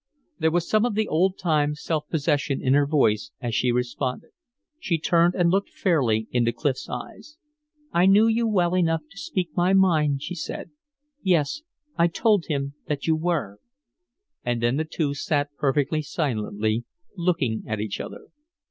There was some of the old time self possession in her voice as she responded. She turned and looked fairly into Clif's eyes. "I know you well enough to speak my mind," she said. "Yes, I told him that you were." And then the two sat perfectly silent, looking at each other.